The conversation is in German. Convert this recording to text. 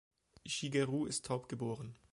Shigeru ist taub geboren.